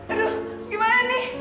aduh gimana nih